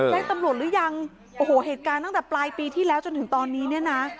แจ้งตำรวจหรือยังโอ้โหเหตุการณ์ตั้งแต่ปลายปีที่แล้วจนถึงตอนนี้เนี่ยนะ